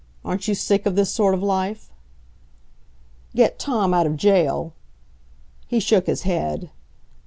Aren't you sick of this sort of life?" "Get Tom out of jail." He shook his head.